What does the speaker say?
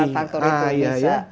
keempat faktor itu bisa